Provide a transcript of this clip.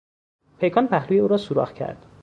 پیکان پهلوی او را سوراخ کرد.